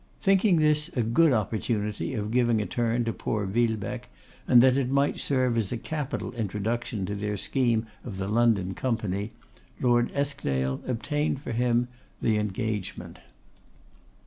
Thinking this a good opportunity of giving a turn to poor Villebecque, and that it might serve as a capital introduction to their scheme of the London company, Lord Eskdale obtained for him the engagement.